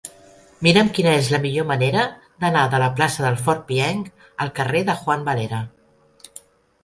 Mira'm quina és la millor manera d'anar de la plaça del Fort Pienc al carrer de Juan Valera.